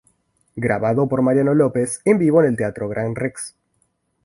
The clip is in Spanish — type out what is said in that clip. Grabado por Mariano Lopez en vivo en el Teatro Gran Rex.